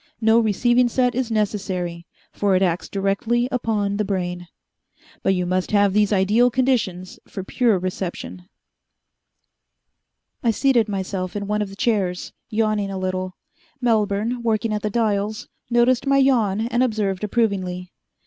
No receiving set is necessary, for it acts directly upon the brain. But you must have these ideal conditions for pure reception." I seated myself in one of the chairs, yawning a little. Melbourne, working at the dials, noticed my yawn and observed approvingly.